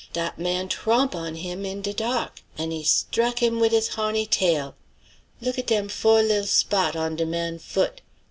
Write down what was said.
Dat man trawmp on him in de dark, and he strack him wid his hawny tail! Look at dem fo' li'l' spot' on de man' foot!